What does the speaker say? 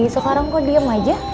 sekarang kok diam aja